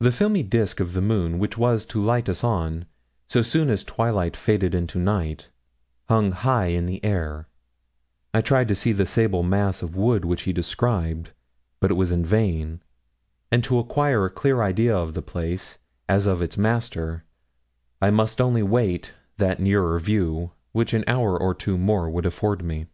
The filmy disk of the moon which was to light us on, so soon as twilight faded into night, hung high in air. I tried to see the sable mass of wood which he described. But it was vain, and to acquire a clear idea of the place, as of its master, I must only wait that nearer view which an hour or two more would afford me.